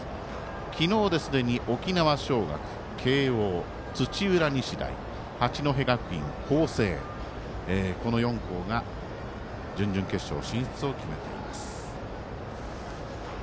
昨日で、すでに沖縄尚学慶応、土浦日大八戸学院光星、この４校が準々決勝進出を決めています。